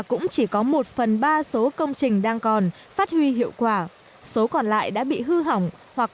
cũng chỉ có một phần ba số công trình đang còn phát huy hiệu quả số còn lại đã bị hư hỏng hoặc